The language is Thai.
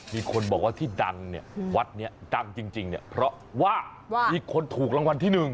มีคนบอกว่าที่ดังเนี่ยวัดนี้ดังจริงเนี่ยเพราะว่ามีคนถูกรางวัลที่๑